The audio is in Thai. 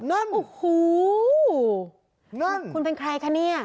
นั่นโอ้โหนั่นคุณเป็นใครคะเนี่ย